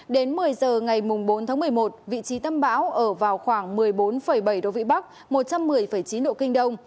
đến một mươi giờ ngày bốn tháng một mươi một vị trí tâm bão ở vào khoảng một mươi bốn bảy độ vĩ bắc một trăm một mươi chín độ kinh đông